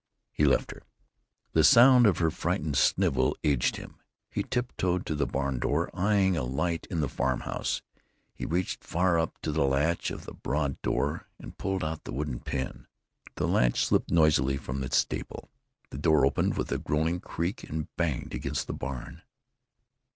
He left her. The sound of her frightened snivel aged him. He tiptoed to the barn door, eying a light in the farm house. He reached far up to the latch of the broad door and pulled out the wooden pin. The latch slipped noisily from its staple. The door opened with a groaning creek and banged against the barn.